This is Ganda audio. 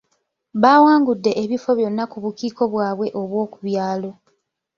Baawangude ebifo byonna ku bukiiko bwabwe obw’oku byalo.